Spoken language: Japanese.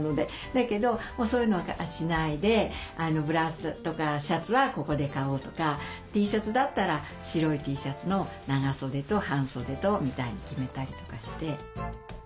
だけどもうそういうのはしないでブラウスとかシャツはここで買おうとかＴシャツだったら白いＴシャツの長袖と半袖とみたいに決めたりとかして。